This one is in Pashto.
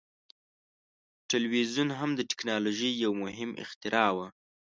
ټلویزیون هم د ټیکنالوژۍ یو مهم اختراع وه.